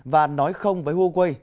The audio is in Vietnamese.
và nói không với huawei